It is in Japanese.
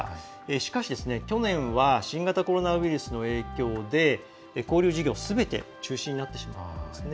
しかし、去年は新型コロナウイルスの影響で交流事業、すべて中止になってしまったんですね。